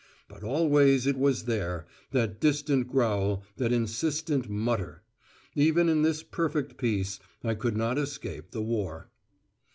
But always it was there, that distant growl, that insistent mutter. Even in this perfect peace, I could not escape the War.